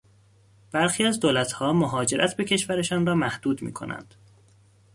برخی از دولتها مهاجرت به کشورشان را محدود میکنند.